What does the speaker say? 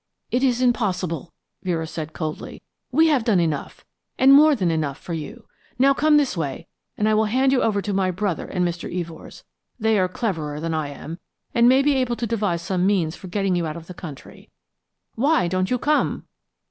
"It is impossible," Vera said, coldly. "We have done enough, and more than enough for you. Now come this way, and I will hand you over to my brother and Mr. Evors. They are cleverer than I am, and may be able to devise some means for getting you out of the country. Why don't you come?"